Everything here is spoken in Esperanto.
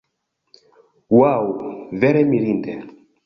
Ŭaŭ, vere mirinde!